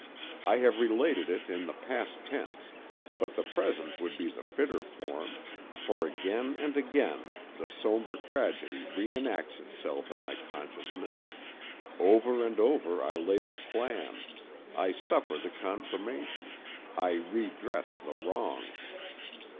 I have related it in the past tense, but the present would be the fitter form, for again and again the somber tragedy reenacts itself in my consciousness—over and over I lay the plan, I suffer the confirmation, I redress the wrong.